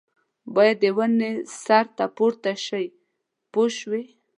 باید د ونې سر ته پورته شي پوه شوې!.